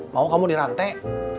mau kamu dirantai